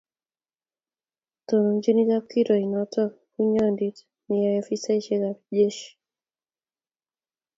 tononchini kapkirwoke nito bunyondit ne yoe afisaekab jeshit.